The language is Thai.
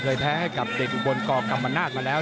เก่งแก่วทะเลเท้ากับเด็กอุบลกกรรมนาฏมาแล้ว